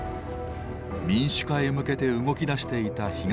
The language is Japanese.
民主化へ向けて動きだしていた東側諸国。